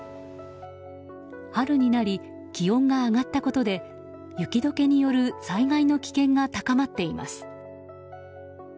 春になり、気温が上がったことで雪解けによる災害の危険が高まっています。